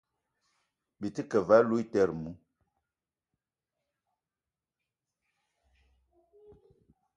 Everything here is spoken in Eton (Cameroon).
Byi te ke ve aloutere mou ?